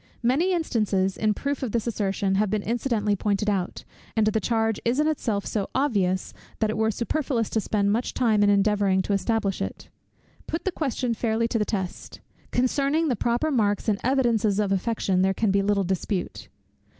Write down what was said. Many instances, in proof of this assertion, have been incidentally pointed out, and the charge is in itself so obvious, that it were superfluous to spend much time in endeavouring to establish it. Put the question fairly to the test. Concerning the proper marks and evidences of affection, there can be little dispute.